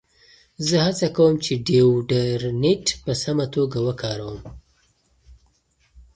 زه هڅه کوم چې ډیوډرنټ په سمه توګه وکاروم.